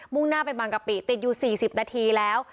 ่งหน้าไปบางกะปิติดอยู่๔๐นาทีแล้ว